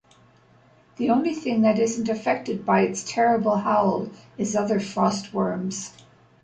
The only thing that isn't affected by its terrible howl is other frost worms.